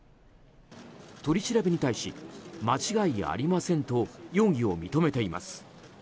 取り調べに対し間違いありませんと容疑を認めています。